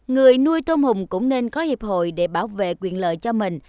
người nuôi tôm hùm cũng nên có hiệp hội để bảo vệ quyền lợi cho mình